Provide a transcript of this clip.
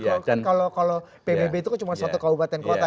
kalau pbb itu cuma satu kabupaten kota